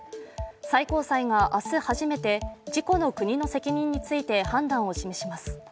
最高裁が明日初めて、事故の国の責任について判断を示します。